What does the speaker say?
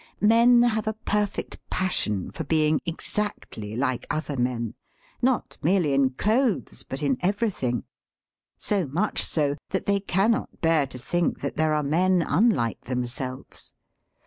Men have a perfect passion for being exactly like other men — not merely in clothes, but in everything. So much so that they cannot bear to think that there are men unlike themselves.